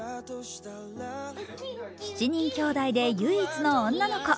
７人きょうだいで唯一の女の子。